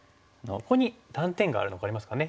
ここに断点があるの分かりますかね。